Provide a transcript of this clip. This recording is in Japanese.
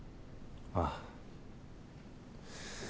ああ。